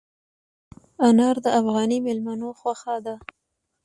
انار د افغاني مېلمنو خوښه ده.